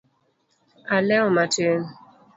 alewo matin